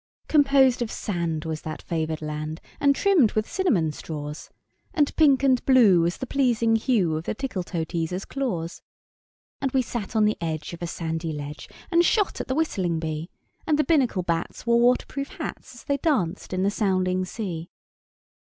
Composed of sand was that favored land, And trimmed with cinnamon straws; And pink and blue was the pleasing hue Of the Tickletoeteaser's claws. And we sat on the edge of a sandy ledge And shot at the whistling bee; And the Binnacle bats wore water proof hats As they danced in the sounding sea.